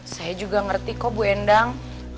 saya juga ngerti kok bu endang